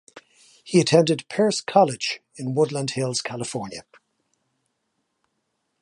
He attended Pierce College in Woodland Hills, California.